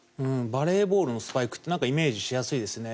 バレーボールのスパイクってイメージしやすいですね。